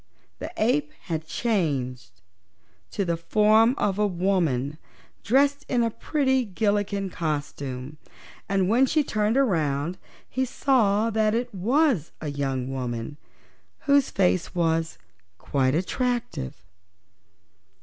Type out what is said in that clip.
The ape had changed to the form of a woman, dressed in the pretty Gillikin costume, and when she turned around he saw that it was a young woman, whose face was quite attractive.